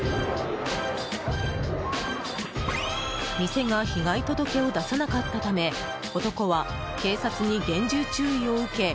店が被害届を出さなかったため男は警察に厳重注意を受け